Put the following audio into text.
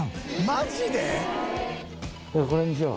マジで？